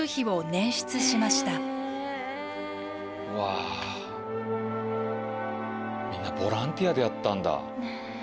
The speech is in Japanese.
うわみんなボランティアでやったんだ。